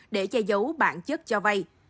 để che giấu bản chất cho vay